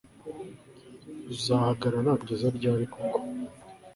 uzahagarara kugeza ryari koko